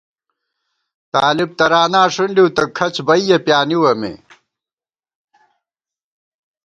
طالب ترانا ݭُنڈِؤ تہ کھڅ بَئیَہ پیانِوَہ مے